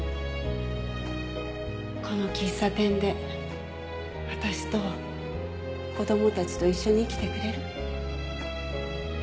この喫茶店で私と子供たちと一緒に生きてくれる？